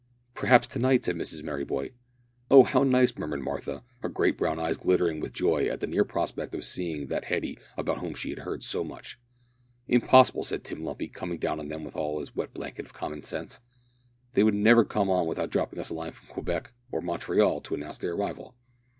"Perhaps to night!" exclaimed Mrs Merryboy. "Oh! how nice!" murmured Martha, her great brown eyes glittering with joy at the near prospect of seeing that Hetty about whom she had heard so much. "Impossible!" said Tim Lumpy, coming down on them all with his wet blanket of common sense. "They would never come on without dropping us a line from Quebec, or Montreal, to announce their arrival."